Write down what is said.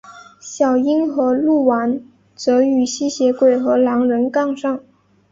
小樱和鹿丸则与吸血鬼和狼人杠上。